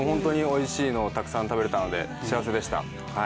おいしいのをたくさん食べれたので幸せでした。